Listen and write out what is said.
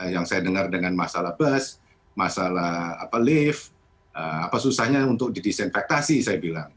yang saya dengar dengan masalah bus masalah lift apa susahnya untuk didesinfektasi saya bilang